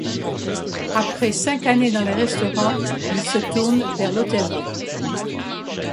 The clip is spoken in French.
Après cinq années dans les restaurants, il se tourne vers l'hôtellerie.